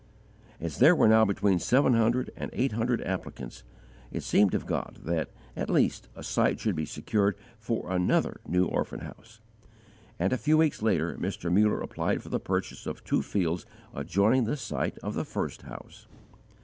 As there were now between seven hundred and eight hundred applicants, it seemed of God that, at least, a site should be secured for another new orphan house; and a few weeks later Mr. Muller applied for the purchase of two fields adjoining the site of the first house.